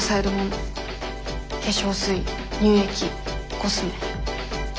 化粧水乳液コスメ。